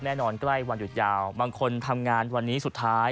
ใกล้วันหยุดยาวบางคนทำงานวันนี้สุดท้าย